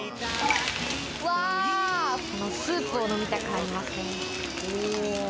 このスープを飲みたくなりますね。